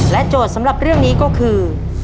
โจทย์สำหรับเรื่องนี้ก็คือ